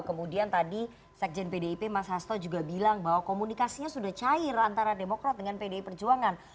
kemudian tadi sekjen pdip mas hasto juga bilang bahwa komunikasinya sudah cair antara demokrat dengan pdi perjuangan